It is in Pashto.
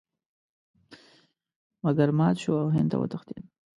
مګر مات شو او هند ته وتښتېد.